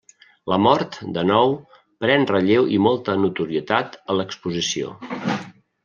La mort de nou pren relleu i molta notorietat a l'exposició.